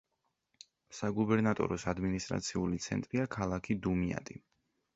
საგუბერნატოროს ადმინისტრაციული ცენტრია ქალაქი დუმიატი.